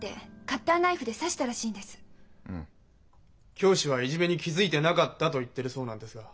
教師はいじめに気付いてなかったと言ってるそうなんですが。